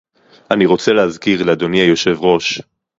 אני רוצה להזכיר לאדוני היושב-ראש